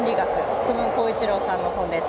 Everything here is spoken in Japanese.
國分功一郎さんの本です。